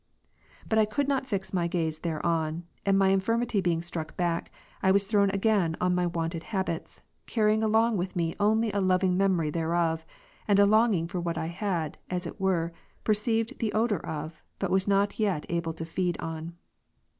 But I could not fix my gaze thereon ; and my infirmity being struck back, I was thrown again on my wonted habits, carrying along with me only a loving memory thereof, and a longing for what I had, as it were, perceived the odour of, but was not yet able to feed on.